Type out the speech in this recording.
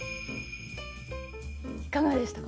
いかがでしたか？